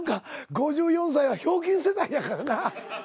５４歳は『ひょうきん』世代やからな。